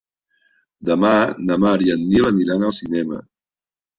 Demà na Mar i en Nil aniran al cinema.